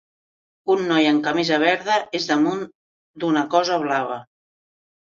Un noi amb camisa verda és damunt d'una cosa blava.